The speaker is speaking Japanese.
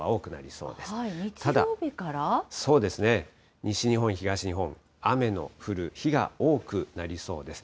そうですね、西日本、東日本、雨の降る日が多くなりそうです。